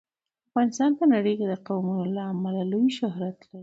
افغانستان په نړۍ کې د قومونه له امله لوی شهرت لري.